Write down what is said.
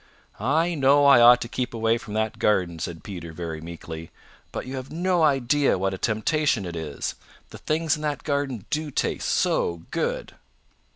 "I know I ought to keep away from that garden," said Peter very meekly, "but you have no idea what a temptation it is. The things in that garden do taste so good."